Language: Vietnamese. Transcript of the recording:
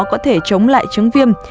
có thể chống lại chứng viêm